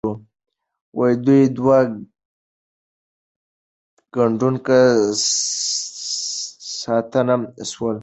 دوی دوه کنډکه ستانه سول.